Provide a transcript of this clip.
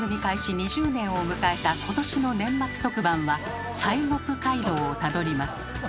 ２０年を迎えた今年の年末特番は「西国街道」をたどります。